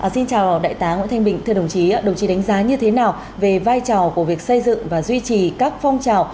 xin chào đại tá nguyễn thanh bình thưa đồng chí đồng chí đánh giá như thế nào về vai trò của việc xây dựng và duy trì các phong trào